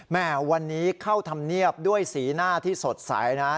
แม่วันนี้เข้าธรรมเนียบด้วยสีหน้าที่สดใสนะ